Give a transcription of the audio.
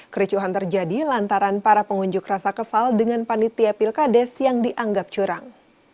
kericuhan terjadi lantaran para pengunjuk rasa kesal dengan panitia pilkades yang dianggap curang